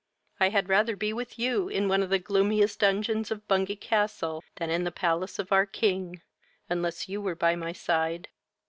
I had rather be with you in one of the gloomiest dungeons of Bungay castle than in the palace of our king, unless you were by my side.